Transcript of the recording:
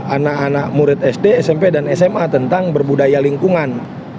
anak anak murid sd smp dan sma tentang berbudaya lingkungan